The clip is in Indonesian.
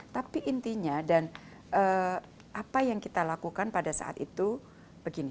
tapi intinya dan apa yang kita lakukan pada saat itu begini